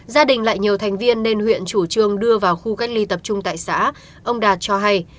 gia đình lại nhiều thành viên nên huyện chủ trương đưa vào khu cách ly tập trung tại xã ông đạt cho hay